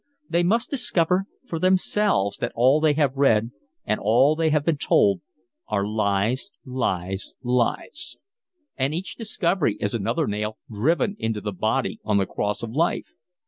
They must discover for themselves that all they have read and all they have been told are lies, lies, lies; and each discovery is another nail driven into the body on the cross of life.